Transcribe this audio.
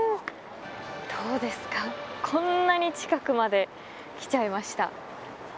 どうですか、こんなに近くまで来ちゃいました。